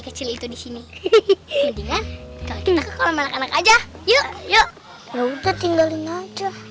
kecil itu disini hehehe jadinya kita kalau anak anak aja yuk yuk ya udah tinggalin aja